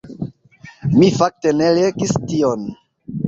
Mi fakte ne legis tion.